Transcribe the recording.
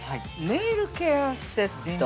◆ネイルケアセット？